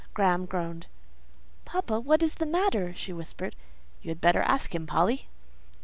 Graham groaned. "Papa, what is the matter?" she whispered. "You had better ask him, Polly."